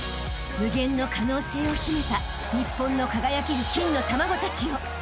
［無限の可能性を秘めた日本の輝ける金の卵たちよ］